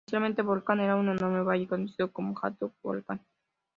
Inicialmente Volcán era un enorme valle conocido como Hato Volcán.